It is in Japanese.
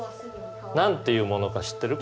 何て言うものか知ってる？